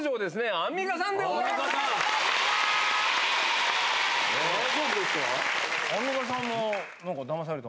アンミカさんもなんかダマされた？